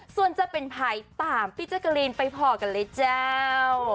ส่วนจะเป็นภัยตามพี่แจ๊กกะลีนไปพอกันเลยเจ้า